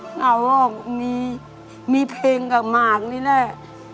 เหงาออกมีเพลงกับหมากนี่แหละ